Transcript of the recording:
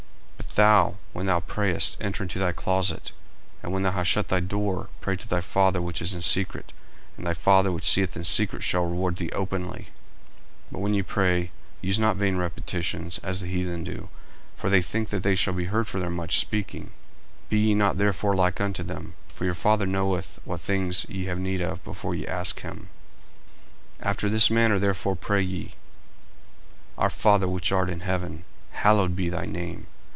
40:006:006 But thou, when thou prayest, enter into thy closet, and when thou hast shut thy door, pray to thy Father which is in secret; and thy Father which seeth in secret shall reward thee openly. 40:006:007 But when ye pray, use not vain repetitions, as the heathen do: for they think that they shall be heard for their much speaking. 40:006:008 Be not ye therefore like unto them: for your Father knoweth what things ye have need of, before ye ask him. 40:006:009 After this manner therefore pray ye: Our Father which art in heaven, Hallowed be thy name.